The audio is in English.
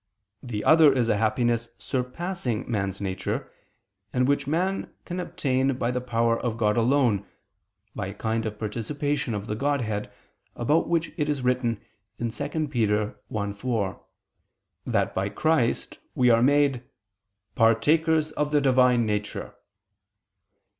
The other is a happiness surpassing man's nature, and which man can obtain by the power of God alone, by a kind of participation of the Godhead, about which it is written (2 Pet. 1:4) that by Christ we are made "partakers of the Divine nature."